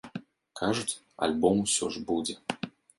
Кажуць, альбом усё ж будзе.